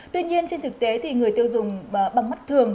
tuy nhiên trên thực tế thì người tiêu dùng bằng mắt thường